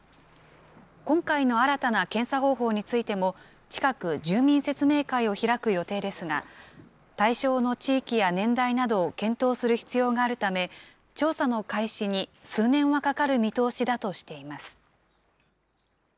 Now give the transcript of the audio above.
今回の新たな検査方法についても、近く住民説明会を開く予定ですが、対象の地域や年代などを検討する必要があるため、調査の開始に数年はかかる見通しだとしています。